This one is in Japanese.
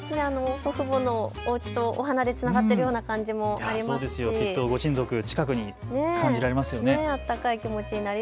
祖父母のおうちとお花でつながっているような感じもありますし、ご親族を近くに感じられますよね。